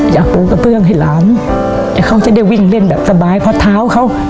ปูกระเบื้องให้หลานให้เขาจะได้วิ่งเล่นแบบสบายเพราะเท้าเขา